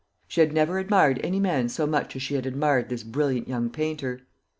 She had never admired any man so much as she had admired this brilliant young painter.